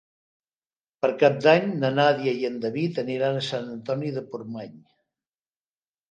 Per Cap d'Any na Nàdia i en David aniran a Sant Antoni de Portmany.